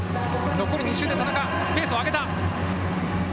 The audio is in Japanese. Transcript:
残り２周で田中、ペースを上げた。